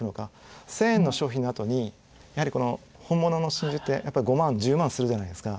１，０００円の商品のあとにやはり本物の真珠って５万１０万するじゃないですか。